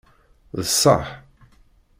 D ṣṣeḥ.